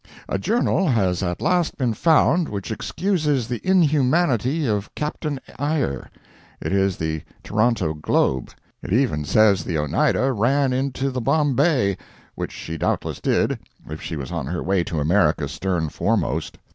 A journal has at last been found which excuses the inhumanity of Captain Eyre. It is the Toronto "Globe." It even says the Oneida ran into the Bombay—which she doubtless did, if she was on her way to America stern foremost.